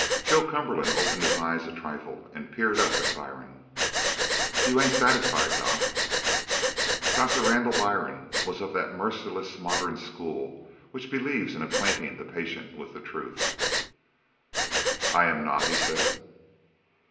Joe Cumberland opened his eyes a trifle and peered up at Byrne. "You ain't satisfied, doc?" Doctor Randall Byrne was of that merciless modern school which believes in acquainting the patient with the truth. "I am not," he said.